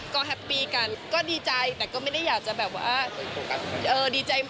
ก็แฮปปี้กันก็ดีใจแต่ก็ไม่ได้อยากจะแบบว่าดีใจมาก